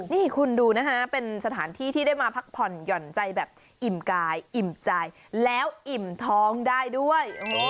นี่คุณดูนะฮะเป็นสถานที่ที่ได้มาพักผ่อนหย่อนใจแบบอิ่มกายอิ่มใจแล้วอิ่มท้องได้ด้วย